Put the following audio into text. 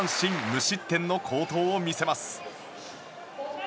無失点の好投を見せます。